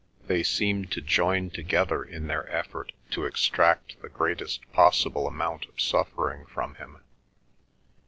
They seemed to join together in their effort to extract the greatest possible amount of suffering from him.